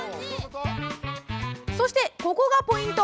そして、ここがポイント！